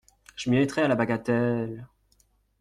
Je m’y mettrai à la bagatelle…